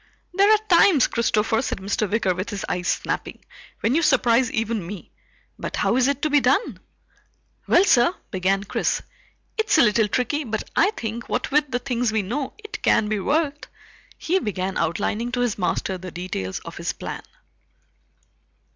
"There are times, Christopher," said Mr. Wicker with his eyes snapping, "when you surprise even me. But how is it to be done?" "Well, sir," began Chris, "it's a little tricky but I think, what with the things we know, it can be worked." He began outlining to his master the details of his plan.